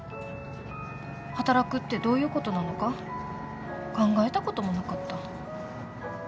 働くってどういうことなのか考えたこともなかった。